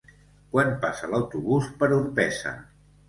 Quan passa l'autobús per Orpesa?